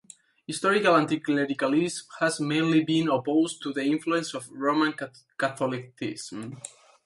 Historical anti-clericalism has mainly been opposed to the influence of Roman Catholicism.